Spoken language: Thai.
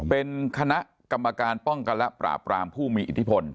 เป็นคณะกรรมการป้องกันและปราบรามผู้มีอิทธิพล